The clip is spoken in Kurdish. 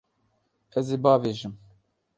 Ez ê biavêjim.